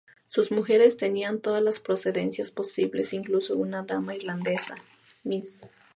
Sus mujeres tenían todas las procedencias posibles, incluso una dama irlandesa, Mrs.